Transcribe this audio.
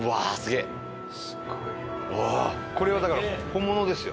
これはだから本物ですよ